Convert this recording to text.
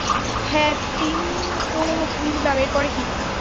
হ্যাঁঁ তিন তো বুঝলাম এরপরে কী?